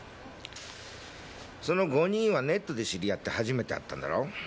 その５人はネットで知り合って初めて会ったんだろ？